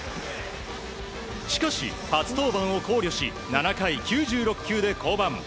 しかし、初登板を考慮し７回９６球で降板。